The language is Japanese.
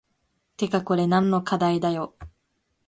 てかこれ何の課題だよ